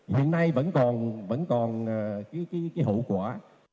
hiện nay vẫn còn cái hậu quả